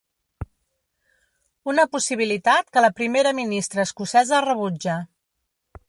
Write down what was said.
Una possibilitat que la primera ministra escocesa rebutja.